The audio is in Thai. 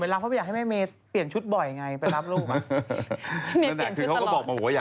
เพราะว่าพี่ไม่อยู่หลายวันหรือเปล่า